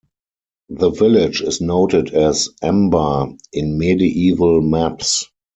The village is noted as 'Emba' in medieval maps.